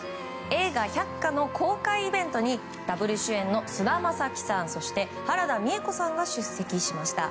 映画「百花」の公開イベントにダブル主演の菅田将暉さんそして、原田美枝子さんが出席しました。